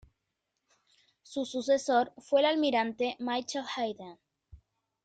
Su sucesor fue el almirante Michael Hayden.